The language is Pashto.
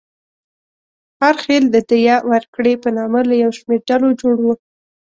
هر خېل د دیه ورکړې په نامه له یو شمېر ډلو جوړ و.